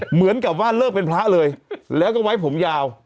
เหมือนกับว่าเลิกเป็นพระเลยแล้วก็ไว้ผมยาว